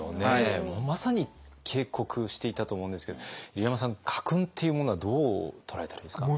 まさに警告していたと思うんですけど入山さん家訓っていうものはどう捉えたらいいですか？